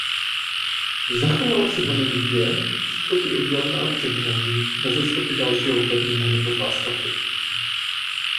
Zachovala se po něm dvě příkopy oddělená předhradí beze stop dalšího opevnění nebo zástavby.